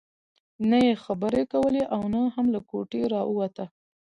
نه يې خبرې کولې او نه هم له کوټې راوته.